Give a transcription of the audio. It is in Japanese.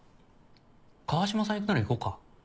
川島さん行くなら行こうか。